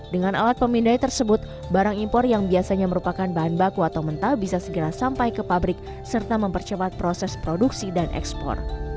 dengan alat pemindai tersebut barang impor yang biasanya merupakan bahan baku atau mentah bisa segera sampai ke pabrik serta mempercepat proses produksi dan ekspor